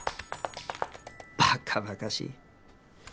バカバカしい。